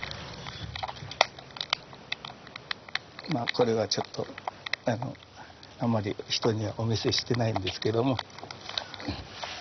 これはちょっとあまり人にはお見せしてないんですけども。